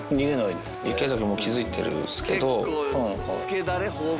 池崎も気付いてるんですけど。